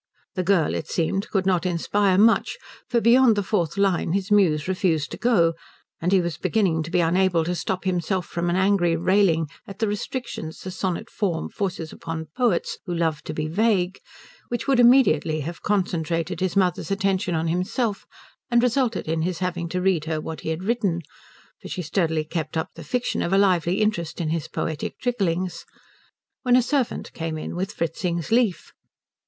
The girl, it seemed, could not inspire much, for beyond the fourth line his muse refused to go; and he was beginning to be unable to stop himself from an angry railing at the restrictions the sonnet form forces upon poets who love to be vague, which would immediately have concentrated his mother's attention on himself and resulted in his having to read her what he had written for she sturdily kept up the fiction of a lively interest in his poetic tricklings when the servant came in with Fritzing's leaf.